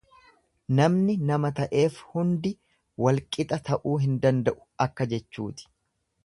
Namni nama ta'eef hundi wal qixa ta'uu hin danda'u akka jechuuti.